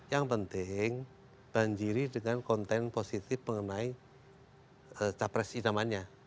yang penting banjiri dengan konten positif mengenai capres idamannya